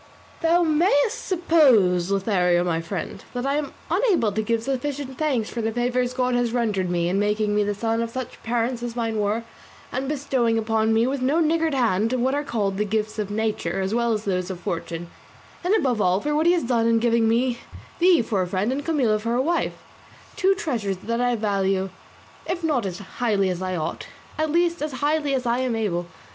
"Thou mayest suppose, Lothario my friend, that I am unable to give sufficient thanks for the favours God has rendered me in making me the son of such parents as mine were, and bestowing upon me with no niggard hand what are called the gifts of nature as well as those of fortune, and above all for what he has done in giving me thee for a friend and Camilla for a wife two treasures that I value, if not as highly as I ought, at least as highly as I am able.